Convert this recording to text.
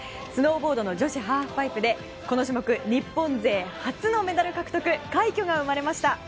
スノーボードの女子ハーフパイプで、この種目日本勢初のメダル獲得快挙が生まれました。